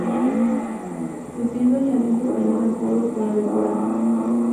Se sirve añadiendo canela en polvo para decorar.